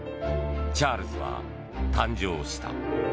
チャールズは誕生した。